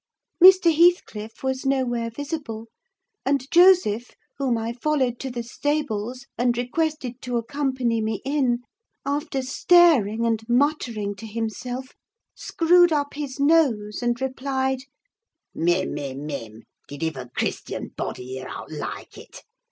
Mr. Heathcliff was nowhere visible; and Joseph, whom I followed to the stables, and requested to accompany me in, after staring and muttering to himself, screwed up his nose and replied—"Mim! mim! mim! Did iver Christian body hear aught like it?